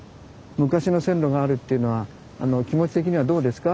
昔の線路があるっていうのは気持ち的にはどうですか？